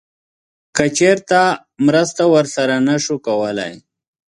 که چیرته مرسته ورسره نه شو کولی